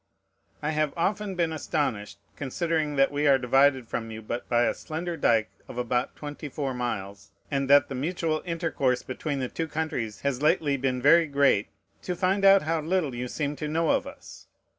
I have often been astonished, considering that we are divided from you but by a slender dike of about twenty four miles, and that the mutual intercourse between the two countries has lately been very great, to find how little you seem to know of us.